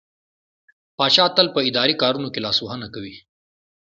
پاچا تل په اداري کارونو کې لاسوهنه کوي.